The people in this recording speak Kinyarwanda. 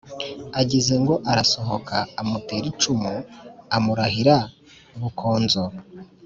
agize ngo arasohoka amutera icumu amurahira bukonzo,